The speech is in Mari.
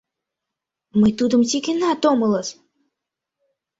Мый тудым тӱкенат омылыс!..